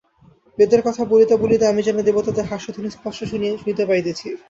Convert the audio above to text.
বেদের কথা বলিতে বলিতে আমি যেন দেবতাদের হাস্যধ্বনি স্পষ্ট শুনিতে পাইতেছি।